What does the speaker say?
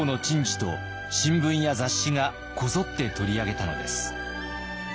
と新聞や雑誌がこぞって取り上げたのです。